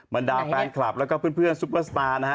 บรรดาแฟนคลับแล้วก็เพื่อนซุปเปอร์สตาร์นะฮะ